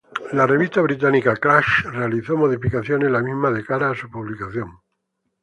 La revista británica "Crash" realizó modificaciones en la misma de cara a su publicación.